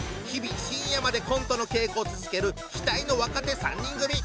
日々深夜までコントの稽古を続ける期待の若手３人組！